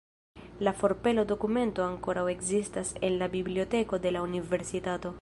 La forpelo-dokumento ankoraŭ ekzistas en la biblioteko de la universitato.